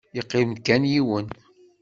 Yeqqim-d kan yiwen.